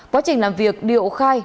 quá trình làm việc điệu khai